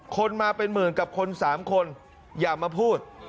คนมาเป็นหมื่นกับคน๓คนอย่ามาพูด